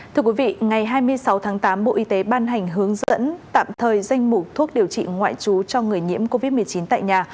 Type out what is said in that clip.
thưa quý vị ngày hai mươi sáu tháng tám bộ y tế ban hành hướng dẫn tạm thời danh mục thuốc điều trị ngoại trú cho người nhiễm covid một mươi chín tại nhà